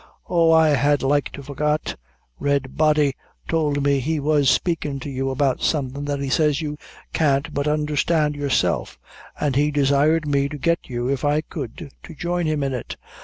Oh, I had like to forgot; Red Body tould me he was spakin' to you about something that he says you can't but understhand yourself; and he desired me to get you, if I could, to join him in it.